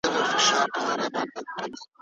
کورنۍ به باور زیات کړي.